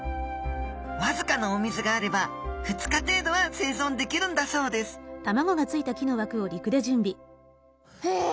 わずかなお水があれば２日程度は生存できるんだそうですへえ！